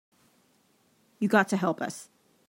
You got to help us.